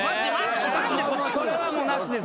それはもうなしです。